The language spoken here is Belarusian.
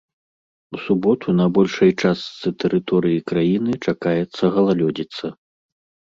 У суботу на большай частцы тэрыторыі краіны чакаецца галалёдзіца.